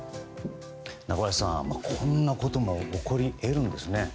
中林さん、こんなことも起こり得るんですね。